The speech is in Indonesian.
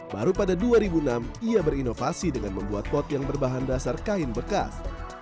baru pada dua ribu enam ia berinovasi dengan membuat pot yang berbahan dasar kain bekas